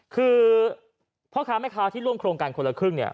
คือพ่อค้าแม่ค้าที่ร่วมโครงการคนละครึ่งเนี่ย